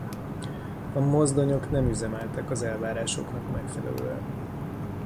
A mozdonyok nem üzemeltek az elvárásoknak megfelelően.